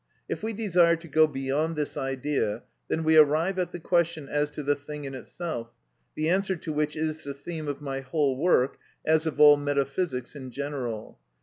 If we desire to go beyond this idea, then we arrive at the question as to the thing in itself, the answer to which is the theme of my whole work, as of all metaphysics in general.